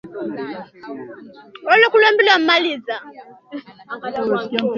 Namna ya kuwakinga wanyama dhidi ya ugonjwa wa kichaa